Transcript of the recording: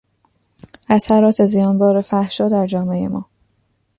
اثرات زیانبار فحشا در جامعهی ما